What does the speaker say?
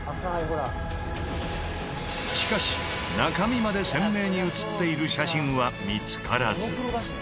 しかし中身まで鮮明に写っている写真は見付からず。